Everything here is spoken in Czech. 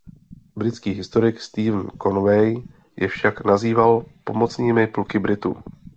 Britský historik Stephen Conway je však nazýval „pomocnými pluky Britů“.